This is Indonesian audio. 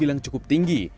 bilang cukup tinggi